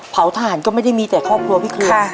ทหารก็ไม่ได้มีแต่ครอบครัวพี่เครือ